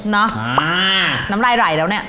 เนาะน้ำลายไหล่แล้วเนี่ย